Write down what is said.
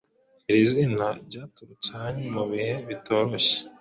iri zina ryaturutse ahanini ku bihe bitoroshye